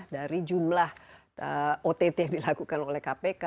dari jumlah ott yang dilakukan oleh kpk